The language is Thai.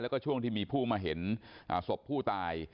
แล้วก็ช่วงที่มีผู้มาเห็นศพผู้ตาย